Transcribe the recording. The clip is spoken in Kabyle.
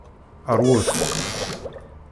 Rwet.